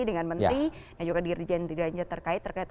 dengan menteri dan juga diri diri terkait